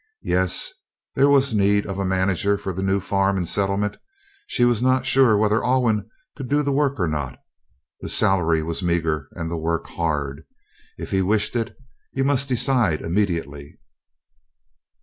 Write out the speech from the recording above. Yes, there was need of a manager for the new farm and settlement. She was not sure whether Alwyn could do the work or not. The salary was meagre and the work hard. If he wished it, he must decide immediately.